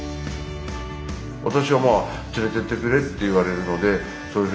私はまあ連れてってくれって言われるのでただね